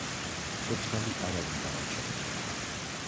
ცოცხალი არავინ გადარჩენილა.